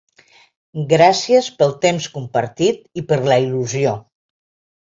Gràcies pel temps compartit i per la il·lusió.